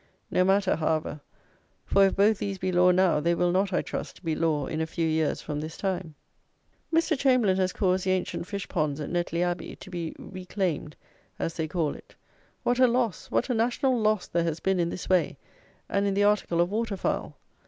No matter, however; for, if both these be law now, they will not, I trust, be law in a few years from this time. Mr. Chamberlayne has caused the ancient fish ponds, at Netley Abbey, to be "reclaimed," as they call it. What a loss, what a national loss, there has been in this way, and in the article of water fowl!